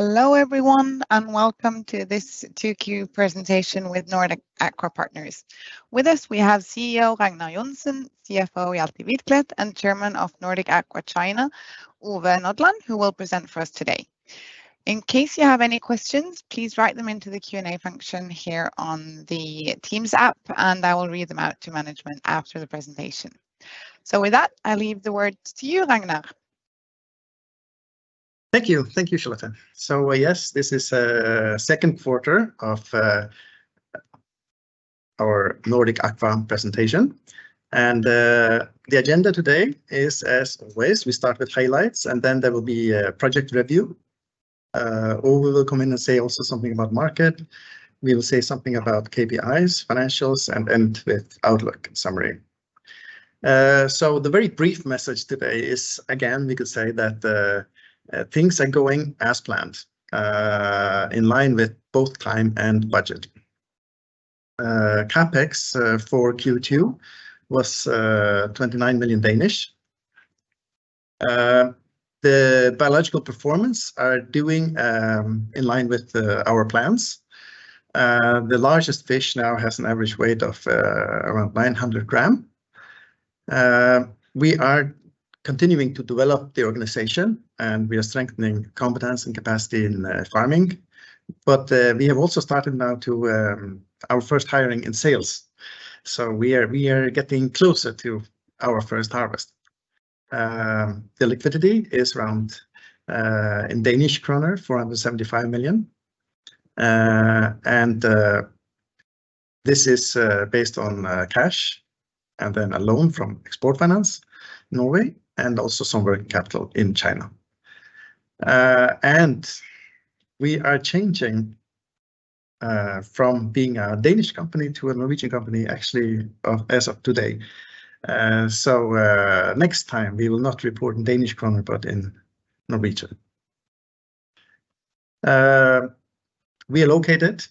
Hello, everyone, and welcome to this 2Q presentation with Nordic Aqua Partners. With us, we have CEO Ragnar Joensen, CFO Hjalti Hvítklett, and Chairman of Nordic Aqua China, Ove Nodland, who will present for us today. In case you have any questions, please write them into the Q&A function here on the Teams app, and I will read them out to management after the presentation. With that, I leave the word to you, Ragnar. Thank you. Thank you, Charlotte. Yes, this is a second quarter of our Nordic Aqua presentation. The agenda today is, as always, we start with highlights. Then there will be a project review. Ove will come in and say also something about market. We will say something about KPIs, financials, and end with outlook summary. The very brief message today is, again, we could say that things are going as planned, in line with both time and budget. CapEx for Q2 was 29 million. The biological performance are doing in line with our plans. The largest fish now has an average weight of around 900 g. We are continuing to develop the organization, and we are strengthening competence and capacity in farming. We have also started now to our first hiring in sales. We are, we are getting closer to our first harvest. The liquidity is around in Danish kroner, 475 million. This is based on cash, and then a loan from Export Finance Norway, and also some working capital in China. We are changing from being a Danish company to a Norwegian company, actually, as of today. Next time we will not report in Danish kroner, but in Norwegian. We are located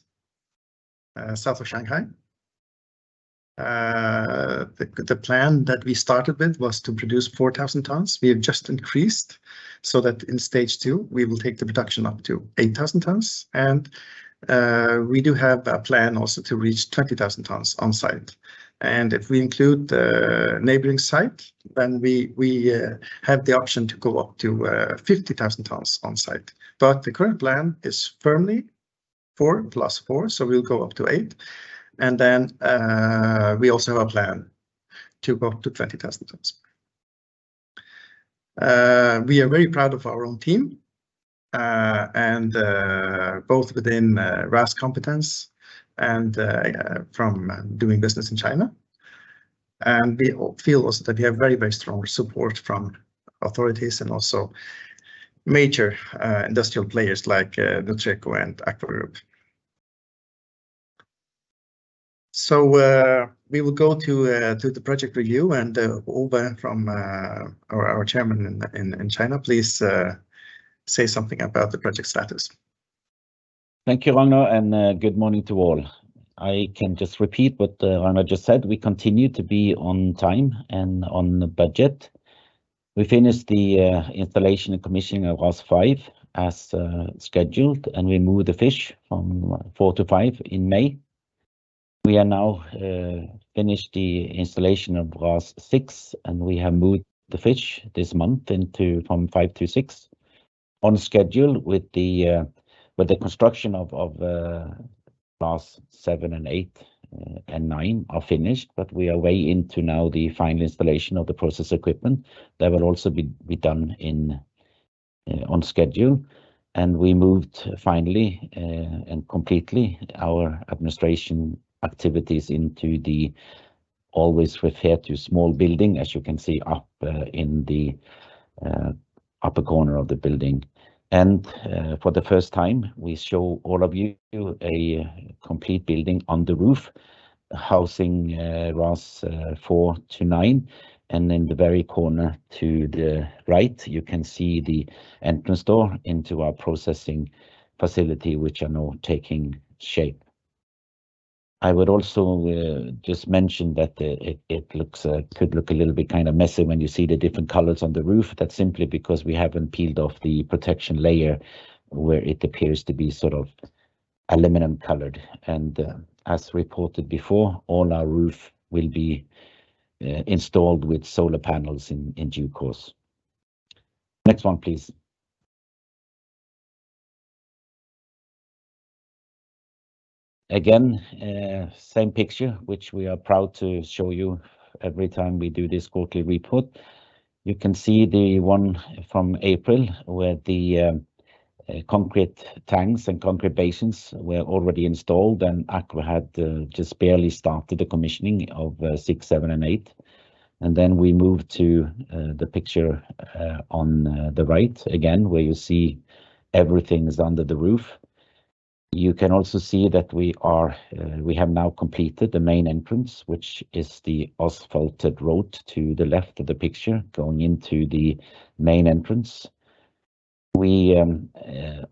south of Shanghai. The plan that we started with was to produce 4,000 tons. We have just increased, so that in stage two, we will take the production up to 8,000 tons, we do have a plan also to reach 20,000 tons on site. If we include the neighboring site, then we, we have the option to go up to 50,000 tons on site. The current plan is firmly four plus four, so we'll go up to eight, then we also have a plan to go up to 20,000 tons. We are very proud of our own team, and both within RAS competence and from doing business in China. We feel also that we have very, very strong support from authorities and also major industrial players like Nutreco and AKVA group. We will go to, to the project review, and, Ove, from, our, our chairman in, in, in China, please, say something about the project status. Thank you, Ragnar. Good morning to all. I can just repeat what Ragnar just said. We continue to be on time and on budget. We finished the installation and commissioning of RAS five as scheduled. We moved the fish from four to five in May. We are now finished the installation of RAS six. We have moved the fish this month into from five to six on schedule with the construction of RAS seven, eight, and nine are finished, but we are way into now the final installation of the process equipment. That will also be done on schedule. We moved finally and completely our administration activities into the always refer to small building, as you can see up in the upper corner of the building. For the first time, we show all of you a complete building on the roof, housing RAS four to nine, and in the very corner to the right, you can see the entrance door into our processing facility, which are now taking shape. I would also just mention that it, it looks, could look a little bit kind of messy when you see the different colors on the roof. That's simply because we haven't peeled off the protection layer, where it appears to be sort of aluminum colored. As reported before, all our roof will be installed with solar panels in, in due course. Next one, please. Again, same picture, which we are proud to show you every time we do this quarterly report. You can see the one from April, where the concrete tanks and concrete basins were already installed. Aqua had just barely started the commissioning of Six, Seven, and Eight. Then we move to the picture on the right, again, where you see everything is under the roof. You can also see that we have now completed the main entrance, which is the asphalted road to the left of the picture, going into the main entrance. We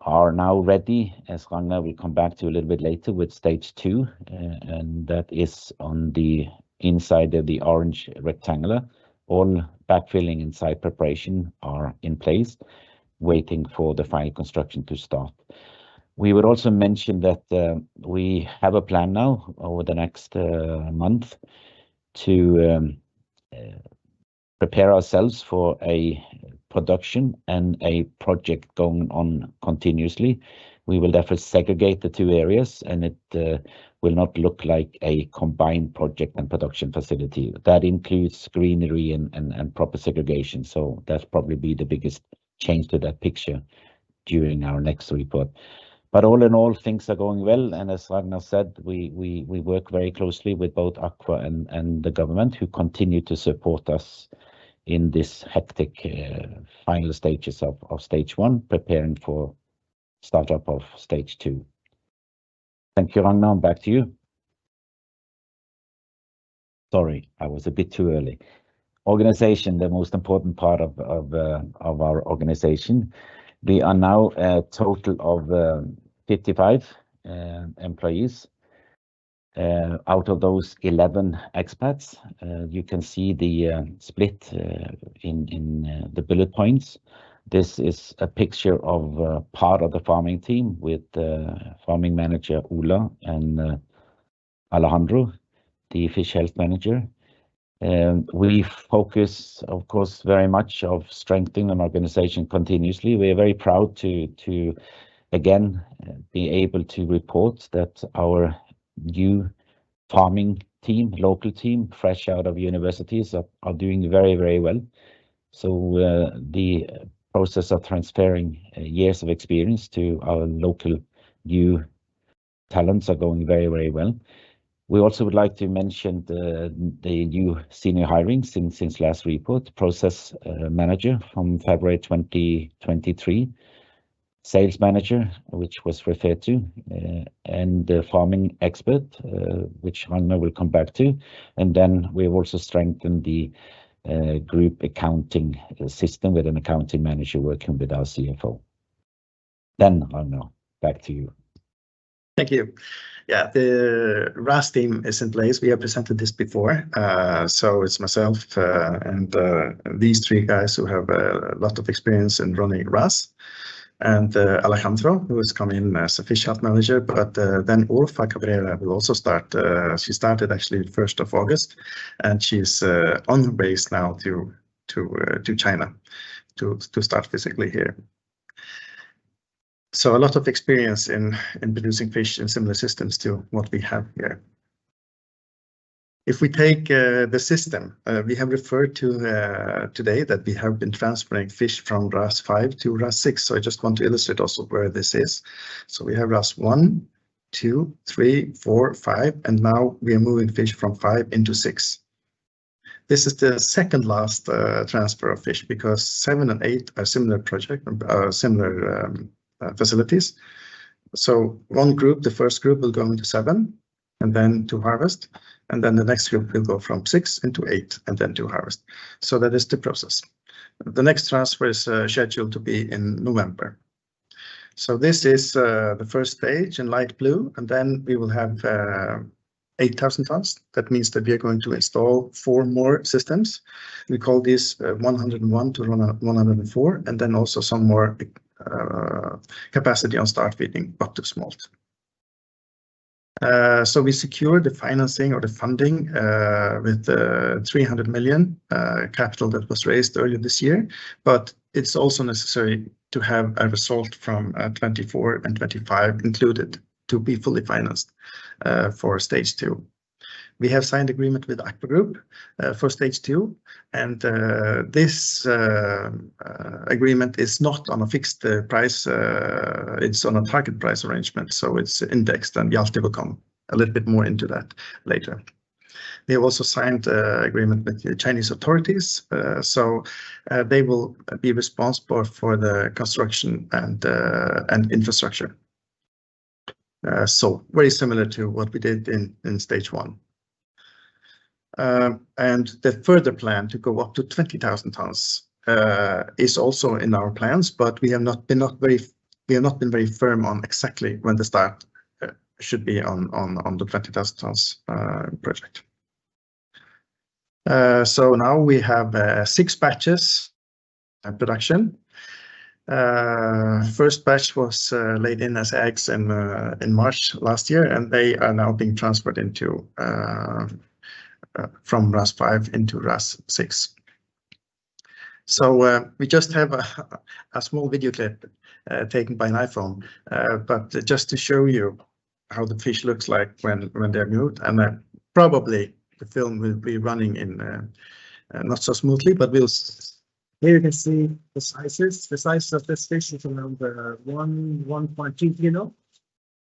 are now ready, as Ragnar will come back to a little bit later, with stage two. That is on the inside of the orange rectangular. All backfilling and site preparation are in place, waiting for the final construction to start.... We would also mention that we have a plan now over the next month to prepare ourselves for a production and a project going on continuously. We will therefore segregate the two areas, and it will not look like a combined project and production facility. That includes greenery and, and, and proper segregation, so that's probably be the biggest change to that picture during our next report. All in all, things are going well, and as Ragnar said, we, we, we work very closely with both AKVA and the government, who continue to support us in this hectic final stages of stage one, preparing for startup of stage two. Thank you, Ragnar, back to you. Sorry, I was a bit too early. Organization, the most important part of our organization. We are now a total of 55 employees, out of those, 11 expats. You can see the split in the bullet points. This is a picture of part of the farming team with farming manager, Ola, and Alejandro, the fish health manager. We focus, of course, very much of strengthening an organization continuously. We are very proud to, to again, be able to report that our new farming team, local team, fresh out of universities, are, are doing very, very well. The process of transferring years of experience to our local new talents are going very, very well. We also would like to mention the new senior hirings since, since last report. Process manager from February 2023, sales manager, which was referred to, and the farming expert, which Ragnar will come back to. We have also strengthened the group accounting system with an accounting manager working with our CFO. Ragnar, back to you. Thank you. Yeah, the RAS team is in place. We have presented this before. It's myself, and these three guys who have a lot of experience in running RAS, and Alejandro, who has come in as a fish health manager, but then Orfa Cabrera will also start. She started actually the 1st of August, and she's on base now to China, to start physically here. A lot of experience in, in producing fish in similar systems to what we have here. If we take the system, we have referred to today, that we have been transferring fish from RAS five to RAS six, I just want to illustrate also where this is. We have RAS one, two, three, four, five, and now we are moving fish from five into six. This is the second last transfer of fish, because RAS seven and RAS eight are similar project, similar facilities. One group, the first group, will go into RAS seven, and then to harvest, and then the next group will go from RAS six into RAS eight, and then to harvest. That is the process. The next transfer is scheduled to be in November. This is the first stage in light blue, and then we will have 8,000 tons. That means that we are going to install four more systems. We call this 101 to 104, and then also some more capacity on start feeding up to smolt. We secured the financing or the funding with 300 million capital that was raised earlier this year, but it's also necessary to have a result from 2024 and 2025 included to be fully financed for stage two. We have signed agreement with AKVA group for stage two, and this agreement is not on a fixed price, it's on a target price arrangement, so it's indexed, and Hjalti will come a little bit more into that later. We have also signed a agreement with the Chinese authorities, so they will be responsible for the construction and infrastructure. Very similar to what we did in, in stage one. The further plan to go up to 20,000 tons is also in our plans. We have not been very firm on exactly when the start should be on, on, on the 20,000 tons project. Now we have six batches at production. First batch was laid in as eggs in March last year, and they are now being transferred into from RAS five into RAS six. We just have a small video clip taken by an iPhone, but just to show you how the fish looks like when, when they're moved, and then probably the film will be running in not so smoothly. Here you can see the sizes. The size of this fish is around 1.3 kg,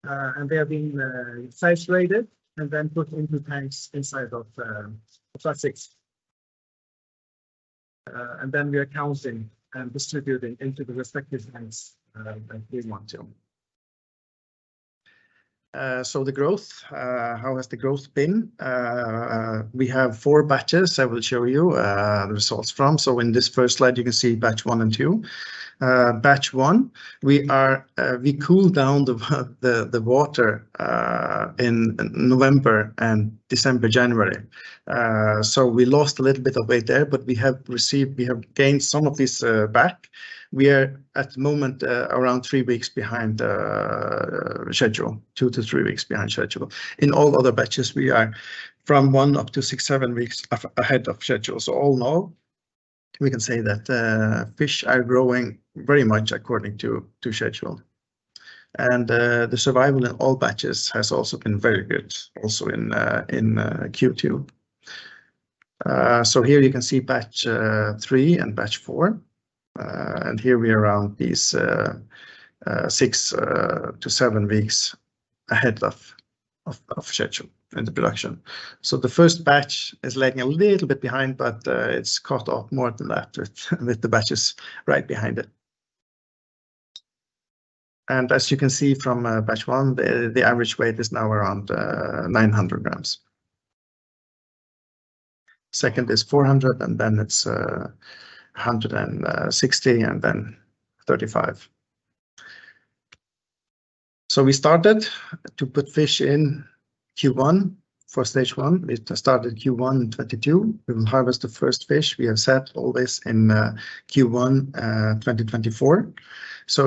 and they are being size rated and then put into tanks inside of RAS six. We are counting and distributing into the respective tanks that we want to. The growth, how has the growth been? We have four batches I will show you the results from. In this first slide, you can see batch one and two. Batch one, we are, we cooled down the water in November and December, January. We lost a little bit of weight there, but we have gained some of this back. We are, at the moment, around three weeks behind schedule, two-three weeks behind schedule. In all other batches, we are from one up to six, seven weeks ahead of schedule. All in all, we can say that fish are growing very much according to schedule. The survival in all batches has also been very good, also in Q2. Here you can see batch three and batch four. Here we are around these six to seven weeks ahead of schedule in the production. The first batch is lagging a little bit behind, but it's caught up more than that with the batches right behind it. As you can see from batch one, the average weight is now around 900 g. Second is 400 g, and then it's 160 g, and then 35 g. We started to put fish in Q1 for stage one. We started Q1 in 2022. We will harvest the first fish, we have set all this in Q1 2024.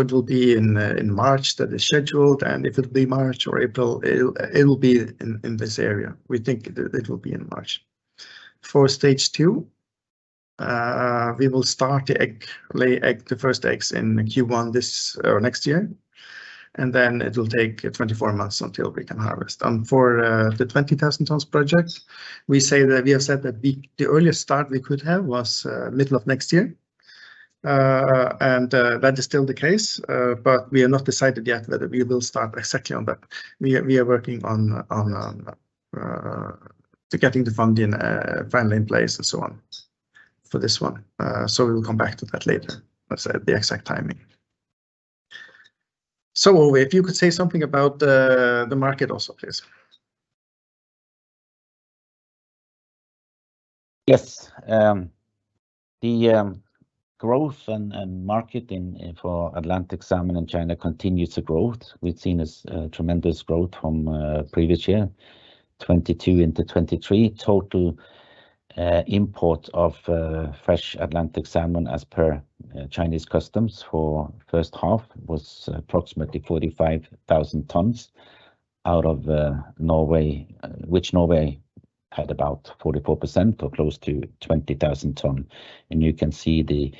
It will be in March that is scheduled, and if it'll be March or April, it'll, it'll be in this area. We think that it will be in March. For stage two, we will start to lay egg, the first eggs in Q1 this next year, then it will take 24 months until we can harvest. For the 20,000 tons project, we say that we have said that the earliest start we could have was middle of next year. That is still the case. We have not decided yet whether we will start exactly on that. We are, we are working on to getting the funding finally in place and so on for this one. We will come back to that later, let's say, the exact timing. Ove, if you could say something about the market also, please. Yes. The growth and, and market for Atlantic salmon in China continues to growth. We've seen a tremendous growth from previous year, 2022 into 2023. Total import of fresh Atlantic salmon as per Chinese Customs for first half was approximately 45,000 tons out of Norway, which Norway had about 44% or close to 20,000 tons. You can see the,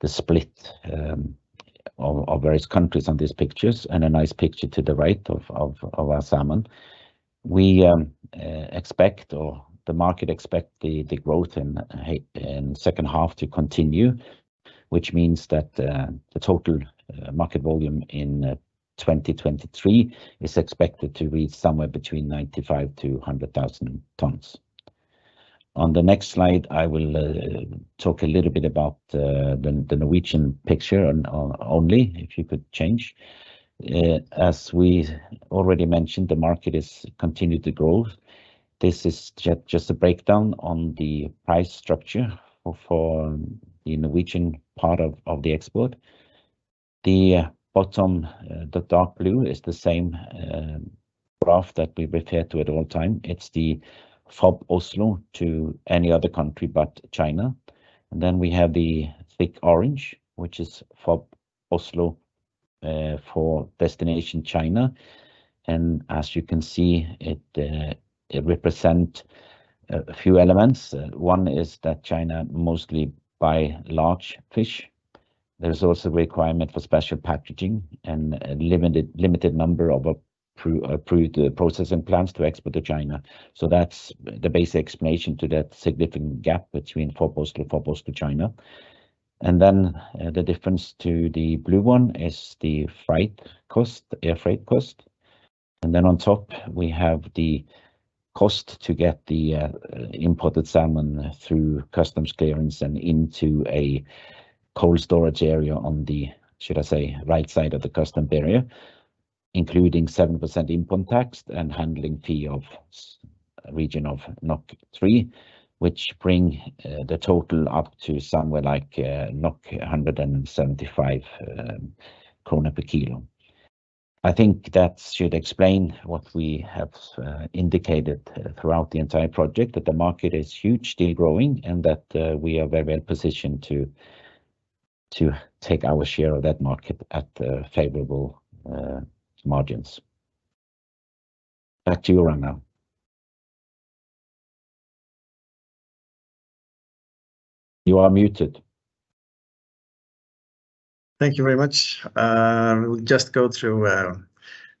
the split of, of various countries on these pictures, and a nice picture to the right of, of, of our salmon. We expect, or the market expect the, the growth in second half to continue, which means that the total market volume in 2023 is expected to be somewhere between 95,000-100,000 tons. On the next slide, I will talk a little bit about the Norwegian picture, and only if you could change. As we already mentioned, the market is continued to growth. This is just a breakdown on the price structure for the Norwegian part of the export. The bottom, the dark blue, is the same graph that we refer to at all time. It's the FOB Oslo to any other country but China. We have the thick orange, which is FOB Oslo for destination China, and as you can see, it represent a few elements. One is that China mostly buy large fish. There is also a requirement for special packaging and a limited, limited number of approved processing plants to export to China. That's the basic explanation to that significant gap between FOB Oslo, FOB Oslo to China. Then, the difference to the blue one is the freight cost, air freight cost. Then on top, we have the cost to get the imported salmon through customs clearance and into a cold storage area on the, should I say, right side of the custom barrier, including 7% import tax and handling fee of region of 3, which bring the total up to somewhere like 175 krone per kilo. I think that should explain what we have indicated throughout the entire project, that the market is hugely growing, and that we are very well positioned to, to take our share of that market at favorable margins. Back to you, Ragnar. You are muted. Thank you very much. We'll just go through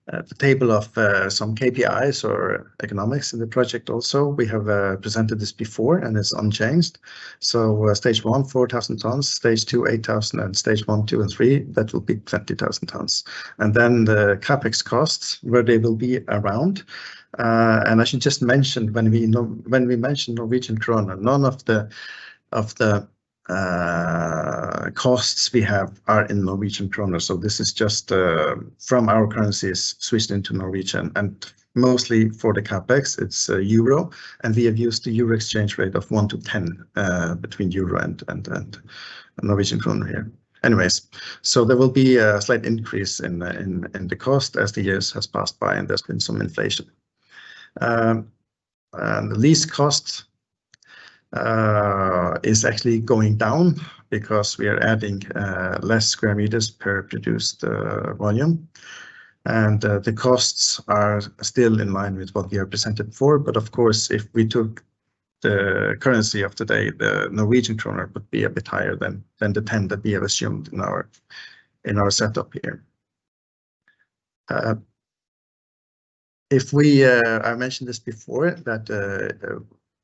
the table of some KPIs or economics in the project also. We have presented this before, and it's unchanged. Stage one, 4,000 tons; Stage two, 8,000; and Stage one, two, and three, that will be 20,000 tons. The CapEx costs, where they will be around. I should just mention, when we mention Norwegian kroner, none of the, of the costs we have are in Norwegian kroner. This is just from our currencies switched into Norwegian, and mostly for the CapEx, it's euro, and we have used the euro exchange rate of one to 10 between euro and Norwegian kroner here. There will be a slight increase in the cost as the years has passed by, and there's been some inflation. The lease cost is actually going down because we are adding less square meters per produced volume. The costs are still in line with what we have presented for, but of course, if we took the currency of today, the Norwegian kroner, would be a bit higher than the 10 that we have assumed in our setup here. If we, I mentioned this before, that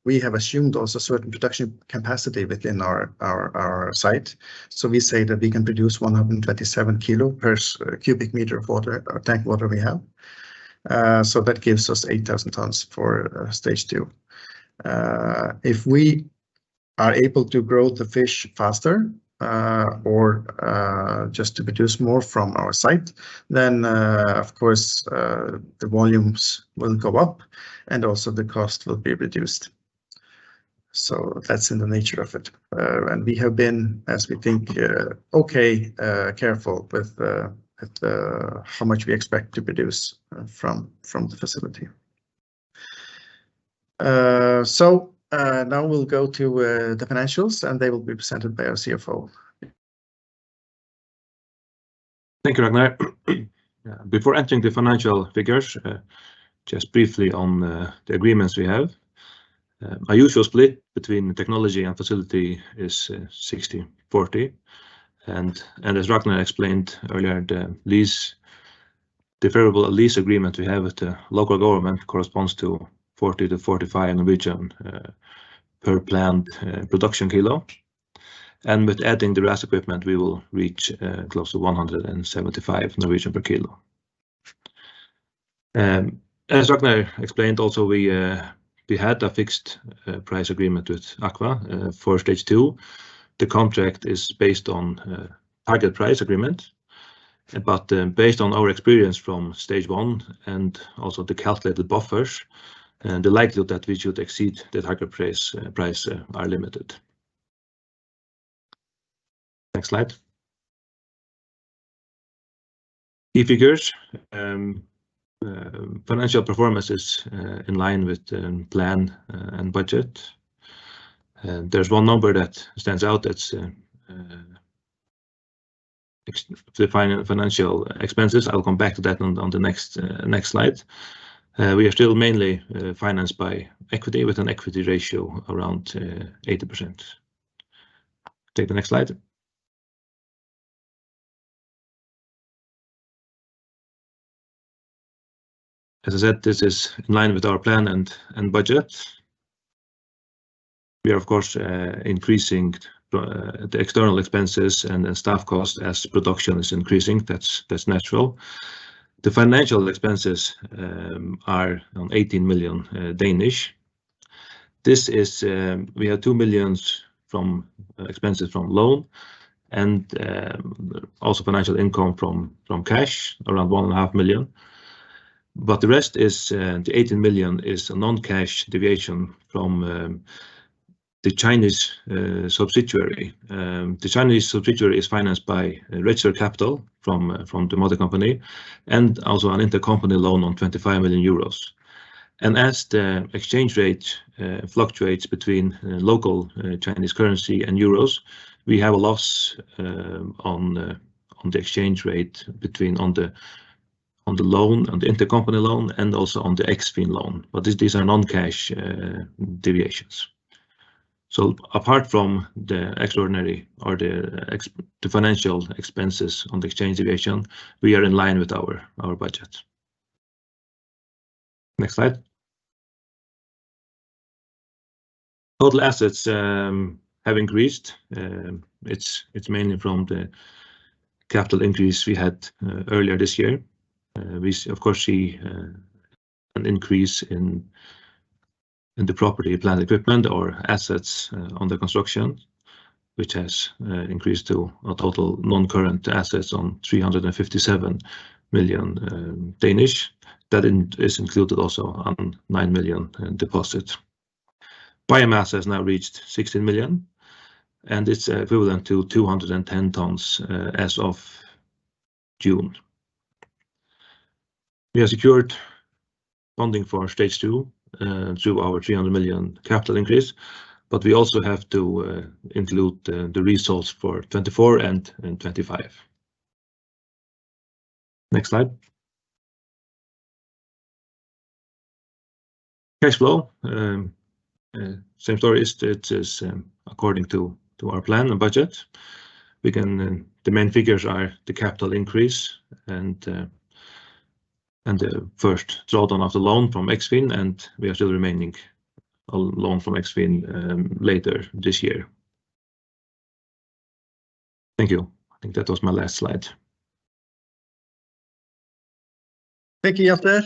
we have assumed also certain production capacity within our site. We say that we can produce 127 kg per cubic meter of water or tank water we have. That gives us 8,000 tons for stage two. If we are able to grow the fish faster, or just to produce more from our site, then, of course, the volumes will go up, and also the cost will be reduced. That's in the nature of it. We have been, as we think, okay, careful with at how much we expect to produce from, from the facility. Now we'll go to the financials, and they will be presented by our CFO. Thank you, Ragnar. Yeah, before entering the financial figures, just briefly on the agreements we have. Our usual split between technology and facility is 60/40. As Ragnar explained earlier, the variable lease agreement we have with the local government corresponds to 40-45 per plant production kilo. With adding the RAS equipment, we will reach close to 175 per kilo. As Ragnar explained also, we had a fixed price agreement with AKVA for stage two. The contract is based on target price agreement, but based on our experience from stage one and also the calculated buffers, and the likelihood that we should exceed the target price are limited. Next slide. Key figures, financial performance is in line with plan and budget. There's one number that stands out, that's ex... the fin- financial expenses. I will come back to that on the next slide. We are still mainly financed by equity, with an equity ratio around 80%. Take the next slide. As I said, this is in line with our plan and budget. We are, of course, increasing the external expenses and the staff cost as production is increasing. That's natural. The financial expenses are on 18 million. This is... We have 2 million from expenses from loan and also financial income from cash, around 1.5 million. The rest is the 18 million, a non-cash deviation from the Chinese subsidiary. The Chinese subsidiary is financed by registered capital from the mother company, and also an intercompany loan on 25 million euros. As the exchange rate fluctuates between local Chinese currency and euros, we have a loss on the exchange rate on the loan, on the intercompany loan, and also on the Eksfin loan. These, these are non-cash deviations. Apart from the extraordinary or the financial expenses on the exchange deviation, we are in line with our, our budget. Next slide. Total assets have increased, it's mainly from the capital increase we had earlier this year. We of course see an increase in the property, plant equipment or assets under construction, which has increased to a total non-current assets on 357 million. That is included also on 9 million in deposit. Biomass has now reached 16 million, and it's equivalent to 210 tons as of June. We have secured funding for stage two through our 300 million capital increase, we also have to include the results for 2024 and 2025. Next slide. Cash flow, same story. It is according to our plan and budget, we can... The main figures are the capital increase and the first drawdown of the loan from Eksfin, and we are still remaining a loan from Eksfin later this year. Thank you. I think that was my last slide. Thank you, Hjalti.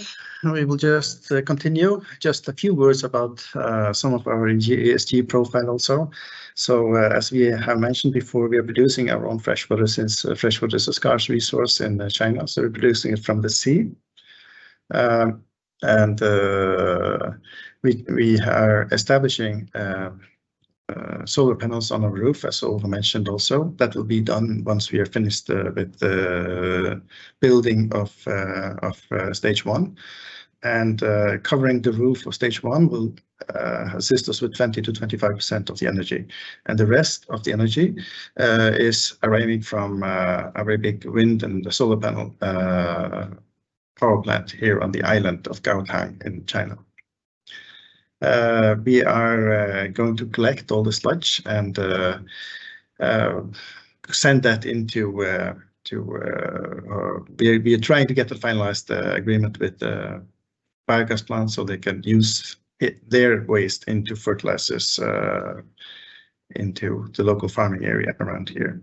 We will just continue. Just a few words about some of our ESG profile also. As we have mentioned before, we are producing our own freshwater since freshwater is a scarce resource in China, so we're producing it from the sea. We are establishing solar panels on the roof, as Ove mentioned also. That will be done once we are finished with the building of stage one. Covering the roof of stage one will assist us with 20%-25% of the energy, and the rest of the energy is arriving from a very big wind and solar panel power plant here on the island of Gaotang Island in China. We are going to collect all the sludge and send that into, we are trying to get the finalized agreement with the biogas plant so they can use it, their waste into fertilizers, into the local farming area around here.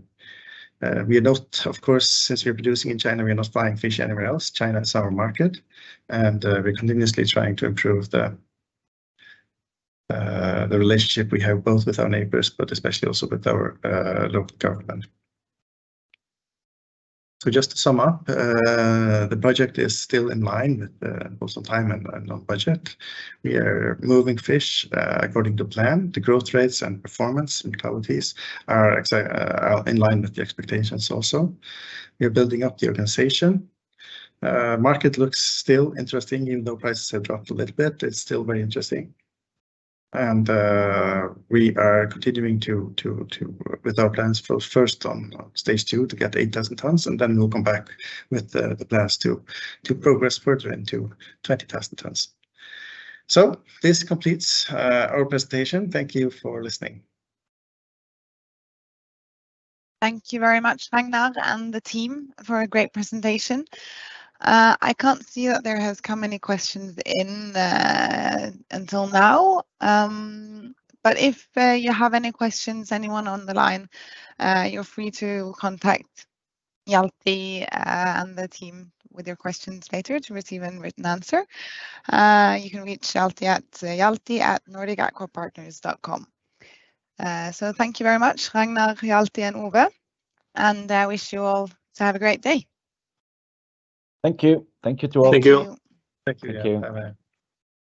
We are not, of course, since we are producing in China, we are not flying fish anywhere else. China is our market, and we're continuously trying to improve the relationship we have, both with our neighbors, but especially also with our local government. Just to sum up, the project is still in line with the postal time and on budget. We are moving fish according to plan. The growth rates and performance and qualities are in line with the expectations also. We are building up the organization. Market looks still interesting, even though prices have dropped a little bit, it's still very interesting. We are continuing with our plans for first on stage two to get 8,000 tons, then we'll come back with plans to progress further into 20,000 tons. This completes our presentation. Thank you for listening. Thank you very much, Ragnar, and the team for a great presentation. I can't see that there has come any questions in until now. If you have any questions, anyone on the line, you're free to contact Hjalti and the team with your questions later to receive a written answer. You can reach Hjalti at hjalti@nordicaquapartners.com. Thank you very much, Ragnar, Hjalti, and Ove, and I wish you all to have a great day. Thank you. Thank you to all. Thank you. Thank you. Thank you. Bye-bye.